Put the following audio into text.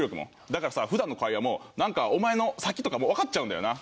だからさ普段の会話もなんかお前の先とかもうわかっちゃうんだよな。